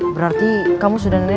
berarti kamu sudah nenek